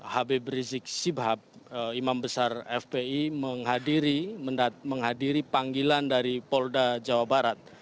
habib rizik sihab imam besar fpi menghadiri panggilan dari polda jawa barat